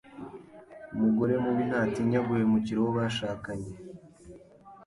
umugore mubi ntatinya guhemukira uwo bashakanye